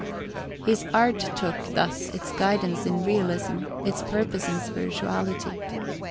His art took, thus, its guidance in realism, its purpose in spirituality.